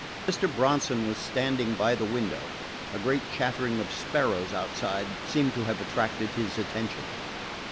Mr. Bronson was standing by the window. A great chattering of sparrows outside seemed to have attracted his attention.